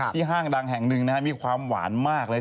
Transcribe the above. ห้างดังแห่งหนึ่งนะครับมีความหวานมากเลย